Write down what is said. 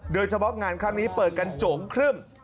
โดยเฉพาะงานครั้งนี้เปิดกันโจ๋งครึ่ม